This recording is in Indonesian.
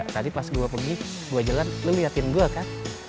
tadi pas gue pergi gue jalan lu liatin gue kan